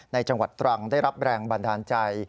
จังหวัดตรังได้รับแรงบันดาลใจ